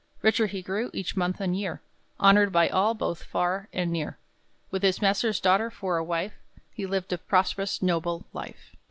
Richer he grew each month and year, Honored by all both far and near; With his master's daughter for a wife, He lived a prosperous, noble life.